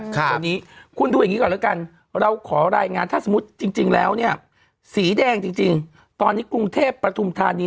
ตอนนี้คุณดูอย่างนี้ก่อนแล้วกันเราขอรายงานถ้าสมมุติจริงแล้วเนี่ยสีแดงจริงตอนนี้กรุงเทพปฐุมธานี